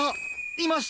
いました！